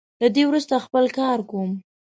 له دې وروسته خپل کار کوم.